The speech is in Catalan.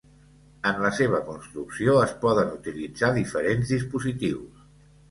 En la seva construcció es poden utilitzar diferents dispositius.